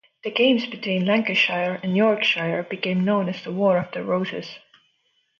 The games between Lancashire and Yorkshire became known as the "War of the Roses".